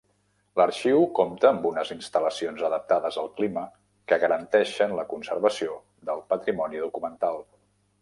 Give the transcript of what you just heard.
L'arxiu compta amb unes instal·lacions adaptades al clima que garanteixen la conservació del patrimoni documental.